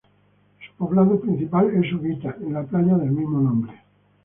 Su poblado principal es Uvita, en la playa del mismo nombre.